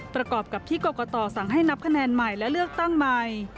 ประกอบกับที่กรกตสั่งให้นับคะแนนใหม่และเลือกตั้งใหม่